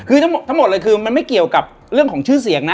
คือทั้งหมดเลยคือมันไม่เกี่ยวกับเรื่องของชื่อเสียงนะ